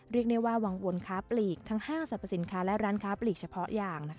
เรียกได้ว่าวังวลค้าปลีกทั้งห้างสรรพสินค้าและร้านค้าปลีกเฉพาะอย่าง